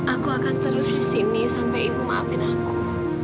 aku akan terus disini sampai ibu maafin aku